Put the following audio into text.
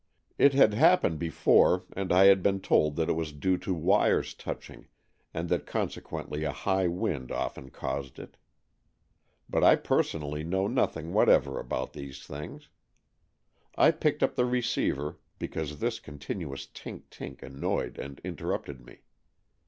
It had happened before, and I had been told that it was due to wires touching, and that consequently a high wind often caused it. But I personally know nothing whatever about these things. I picked up the receiver, because this continuous tink tink annoyed and interrupted me.